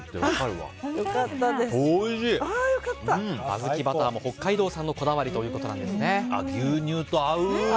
小豆、バターも北海道産のこだわりということです。